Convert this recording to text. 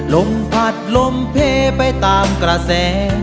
ลมพัดลมเพไปตามกระแส